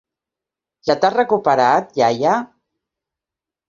Ja t'has recuperat, iaia?